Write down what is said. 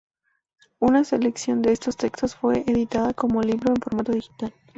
Una selección de estos textos fue editada como libro en formato digital.